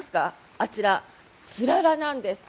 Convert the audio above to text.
あちら、つららなんです。